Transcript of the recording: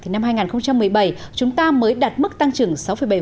thì năm hai nghìn một mươi bảy chúng ta mới đạt mức tăng trưởng sáu bảy